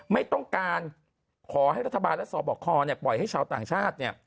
ไม่ต้องการขอให้รัฐบาลและสบคปล่อยให้ชาวต่างชาติ